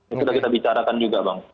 yang sudah kita bicarakan juga bang